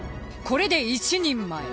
これで１人前。